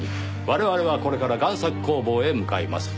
我々はこれから贋作工房へ向かいます。